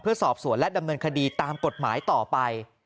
เพื่อสอบสวนและดำเนินคดีตามกฎหมายต่อไป